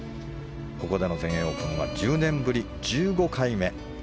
ここでの全英オープンは１０年ぶり、１５回目。